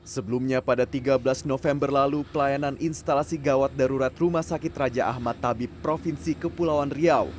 sebelumnya pada tiga belas november lalu pelayanan instalasi gawat darurat rumah sakit raja ahmad tabib provinsi kepulauan riau